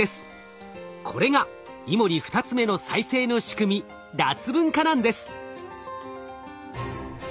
これがイモリ２つ目の再生の仕組み脱分化なんです。